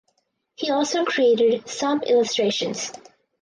He also created some illustrations.